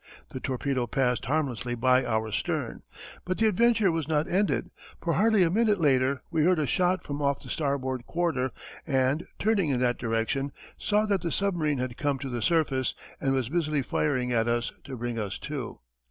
The torpedo passed harmlessly by our stern, but the adventure was not ended, for hardly a minute later we heard a shot from off the starboard quarter and, turning in that direction, saw that the submarine had come to the surface and was busily firing at us to bring us to.